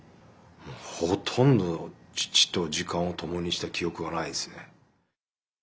ほとんど父と時間を共にした記憶はないですね。